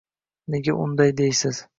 Nega unday deysiz